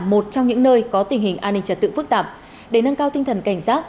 một trong những nơi có tình hình an ninh trật tự phức tạp để nâng cao tinh thần cảnh giác